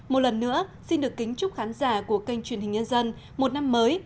một lần nữa xin được kính chúc khán giả của kênh truyền hình nhân dân một năm mới